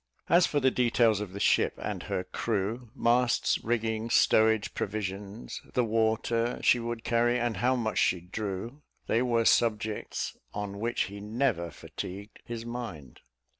As for the details of the ship and her crew, masts, rigging, stowage, provisions, the water she would carry, and how much she drew, they were subjects on which he never fatigued his mind.